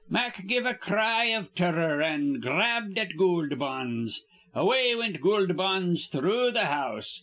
Mack give a cry iv turror, an' grabbed at Goold Bonds. Away wint Goold Bonds through th' house.